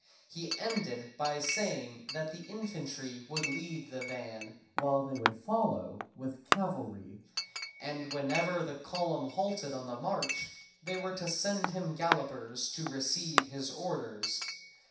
He ended by saying that the infantry would lead the van, while they would follow with the cavalry, and whenever the column halted on the march they were to send him gallopers to receive his orders.